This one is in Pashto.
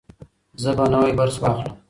زه به نوی برس واخلم.